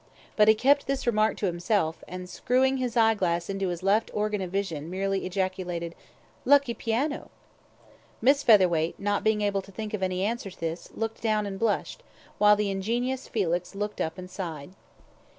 But he kept this remark to himself, and, screwing his eye glass into his left organ of vision, merely ejaculated, "Lucky piano." Miss Featherweight, not being able to think of any answer to this, looked down and blushed, while the ingenuous Felix looked up and sighed.